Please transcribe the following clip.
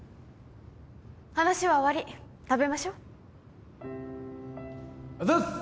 話は終わり食べましょうあざっす！